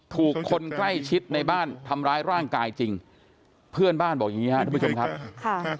ถูกคนใกล้ชิดในบ้านทำร้ายร่างกายจริงเพื่อนบ้านบอกอย่างงี้ครับทุกผู้ชมครับค่ะ